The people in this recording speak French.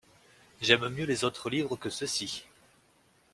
J’aime mieux les autres livres que ceux-ci.